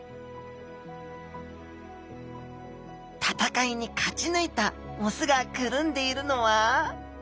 戦いに勝ち抜いた雄がくるんでいるのは？